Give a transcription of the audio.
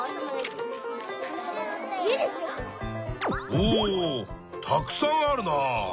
おたくさんあるな。